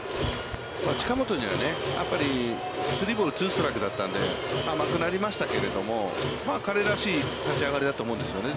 近本にはね、やっぱりスリーボール、ツーストライクだったので甘くなりましたけれども、彼らしい立ち上がりだと思うんですよね。